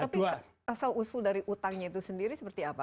tapi asal usul dari utangnya itu sendiri seperti apa